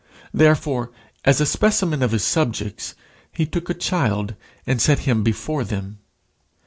Therefore, as a specimen of his subjects, he took a child and set him before them.